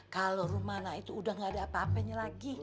kalau rumana itu sudah tidak ada apa apanya lagi